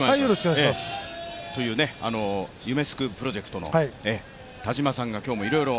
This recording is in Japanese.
夢すくプロジェクトの田島さんが今日もいろいろ。